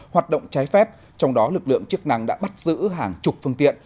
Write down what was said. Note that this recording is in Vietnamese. hoạt động trái phép trong đó lực lượng chức năng đã bắt giữ hàng chục phương tiện